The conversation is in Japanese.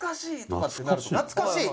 「懐かしい？」